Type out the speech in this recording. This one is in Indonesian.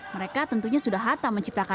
mereka tentunya sudah hatta menciptakan lagu